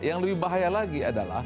yang lebih bahaya lagi adalah